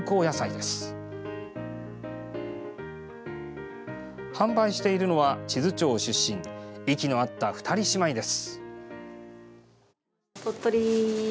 販売しているのは、智頭町出身息の合った二人姉妹です。